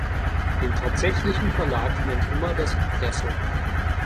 Den tatsächlichen Verlag nennt immer das Impressum.